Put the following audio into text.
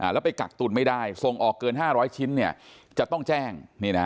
แล้วไปกักตุนไม่ได้ส่งออกเกิน๕๐๐ชิ้นจะต้องแจ้ง